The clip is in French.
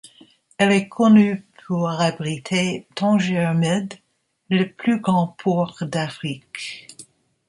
Elle est connue pour abriter, Tanger Med, le plus grand port d'Afrique.